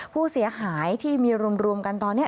ผู้เสียหายที่มีรวมกันตอนนี้